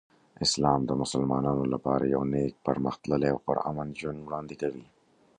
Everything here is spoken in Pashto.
اسلام د مسلمانانو لپاره یو نیک، پرمختللی او پرامن ژوند وړاندې کوي.